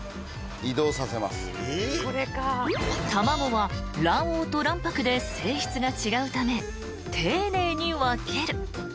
［卵は卵黄と卵白で性質が違うため丁寧に分ける］